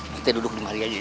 kita duduk di mari aja ya